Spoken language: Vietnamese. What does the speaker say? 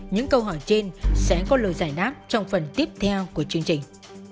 những câu hỏi trên sẽ có lời giải đáp trong phần tiếp theo của chương trình